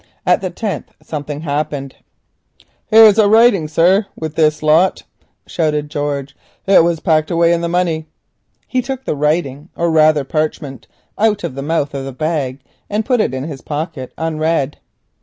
At the tenth something happened. "Here's a writing, sir, with this lot," shouted George. "It was packed away in the money." He took the "writing," or rather parchment, out of the mouth of the bag, and put it in his pocket unread.